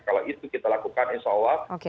kalau itu kita lakukan insya allah